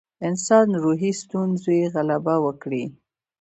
انسانان روحي ستونزو غلبه وکړي.